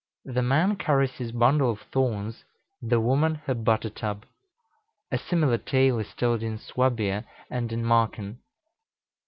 The man carries his bundle of thorns, the woman her butter tub. A similar tale is told in Swabia and in Marken.